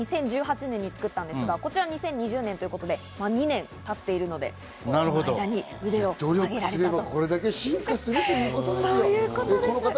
初代と２代目は２０１８年に作ったんですが、こちら２０２０年ということで２年経っているので、その間に腕を上げられたと。